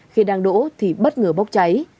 khi đang đổ thì bất ngờ bốc cháy